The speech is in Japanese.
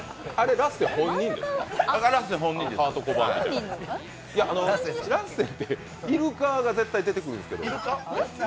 ラッセンってイルカが絶対出てくるんですけど。